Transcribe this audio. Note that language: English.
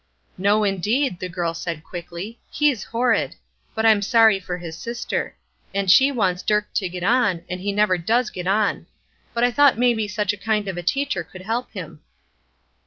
"No, indeed!" the girl said, quickly. "He's horrid! But I'm sorry for his sister; and she wants Dirk to get on, and he never does get on; but I thought maybe such a kind of a teacher could help him."